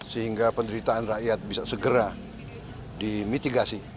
sehingga penderitaan rakyat bisa segera dimitigasi